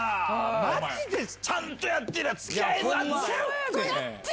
マジでちゃんとやってりゃ付き合えた！